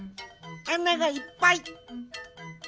あながいっぱい！